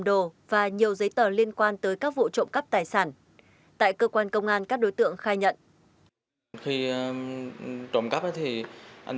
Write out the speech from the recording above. đồ và nhiều giấy tờ liên quan tới các vụ trộm cắp tài sản tại cơ quan công an các đối tượng khai nhận